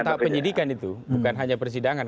tahap penyidikan itu bukan hanya persidangan